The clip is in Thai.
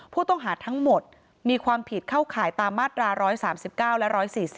ผู้ต้องหาทั้งหมดมีความผิดเข้าข่ายตามมาตรา๑๓๙และ๑๔๐